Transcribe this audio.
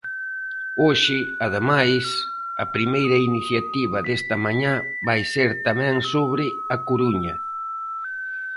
Hoxe, ademais, a primeira iniciativa desta mañá vai ser tamén sobre A Coruña.